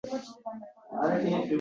— Ammo-lekin! — dedi.